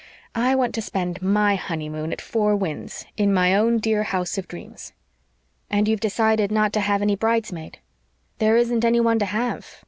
I want to spend MY honeymoon at Four Winds in my own dear house of dreams." "And you've decided not to have any bridesmaid?" "There isn't any one to have.